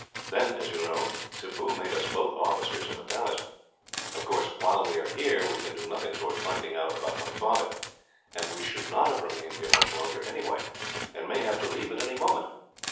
Then, as you know, Tippoo made us both officers in the Palace. Of course, while we are here we can do nothing towards finding out about my father, and we should not have remained here much longer anyway, and may have to leave at any moment.